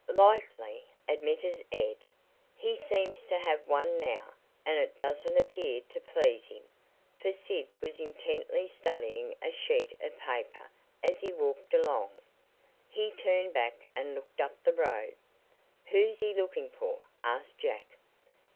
"Likely," admitted Ed. "He seems to have one now, and it doesn't appear to please him," for Sid was intently studying a sheet of paper as he walked along. He turned back and looked up the road. "Who's he looking for?"' asked Jack.